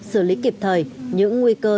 xử lý kịp thời những nguy cơ